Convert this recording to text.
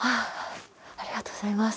ありがとうございます。